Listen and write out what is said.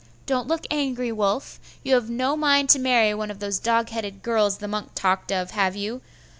Don't look angry, Wulf. You have no mind to marry one of those dog headed girls the monk talked of, have you?